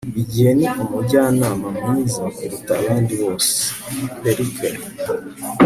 igihe ni umujyanama mwiza kuruta abandi bose. - pericles